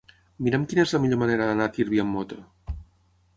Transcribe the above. Mira'm quina és la millor manera d'anar a Tírvia amb moto.